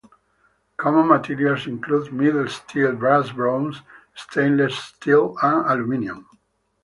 Common materials include mild steel, brass, bronze, stainless steel, and aluminium.